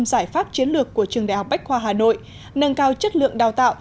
giải pháp chiến lược của trường đại học bách khoa hà nội nâng cao chất lượng đào tạo